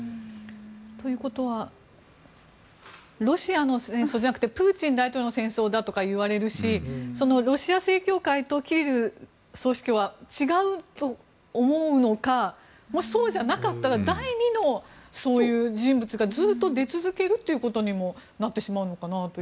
ということはロシアの戦争じゃなくてプーチン大統領の戦争だとかいわれるしロシア正教会とキリル総主教は違うと思うのかもし、そうじゃなかったら第２のそういう人物がずっと出続けるということにもなってしまうのかなと。